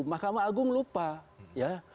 mahkamah agung lupa